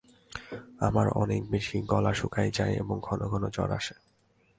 আমার অনেক বেশি গলা শুকায় যায় এবং ঘন ঘন জ্বর আসে।